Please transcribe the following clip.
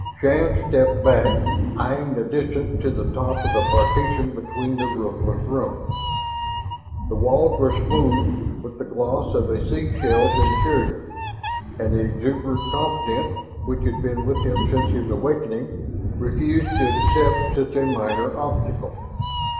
Shann stepped back, eyeing the distance to the top of the partition between the roofless rooms. The walls were smooth with the gloss of a sea shell's interior, but the exuberant confidence which had been with him since his awakening refused to accept such a minor obstacle.